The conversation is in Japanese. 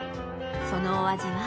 そのお味は？